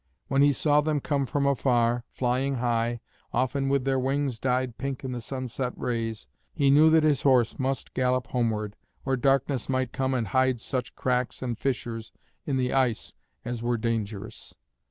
When he saw them come from afar, flying high, often with their wings dyed pink in the sunset rays, he knew that his horse must gallop homeward, or darkness might come and hide such cracks and fissures in the ice as were dangerous.